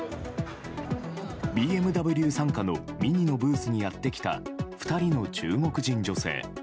ＢＭＷ傘下のＭＩＮＩのブースにやってきた２人の中国人女性。